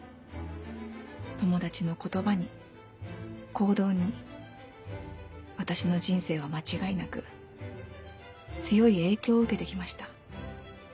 友達の言葉に行動に私の人生は間違いなく強い影響を受けてきました。